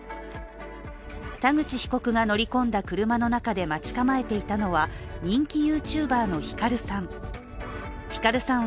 田口被告が乗り込んだ車の中で待ち構えていたのは人気ＹｏｕＴｕｂｅｒのヒカルさん。